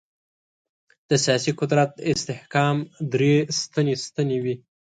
د سیاسي قدرت د استحکام درې سنتي ستنې وې.